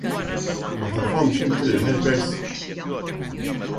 Ma tafhomx inti lill-helpers?